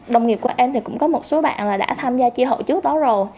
đồng nghiệp của em thì cũng có một số bạn đã tham gia tri hậu trước đó rồi